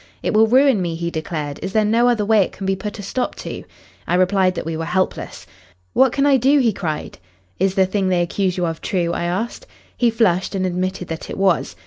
'It will ruin me,' he declared. 'Is there no other way it can be put a stop to?' I replied that we were helpless. 'What can I do?' he cried. 'Is the thing they accuse you of true?' I asked. He flushed and admitted that it was.